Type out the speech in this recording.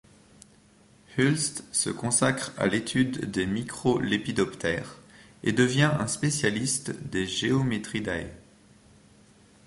Hulst se consacre à l’étude des micro-lépidoptères et devient un spécialiste des Geometridae.